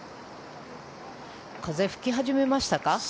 風、吹き始めましたか？